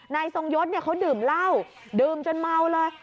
นายทรงยศเขาดื่มเหล้าดื่มจนเมาเลย